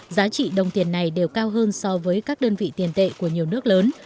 giá trị đồng tiền này đều cao hơn so với các đơn vị tiền tệ của nhiều nước lớn